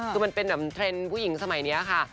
คือมันเป็นแบบเทรนด์ผู้หญิงสมัยนี้ค่ะ